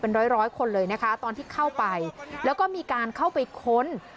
ร้อยร้อยคนเลยนะคะตอนที่เข้าไปแล้วก็มีการเข้าไปค้น